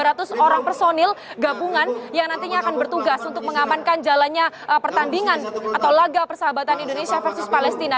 ada ratus orang personil gabungan yang nantinya akan bertugas untuk mengamankan jalannya pertandingan atau laga persahabatan indonesia versus palestina